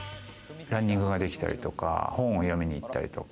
ランニングができたりとか本を読みに行ったりとか。